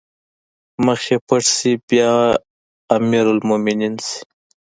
مخ يې پټ شي بيا امرالمومنين شي